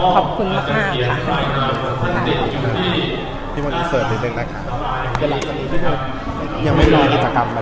ขอบคุณมากค่ะ